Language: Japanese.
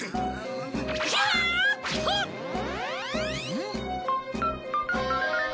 ん？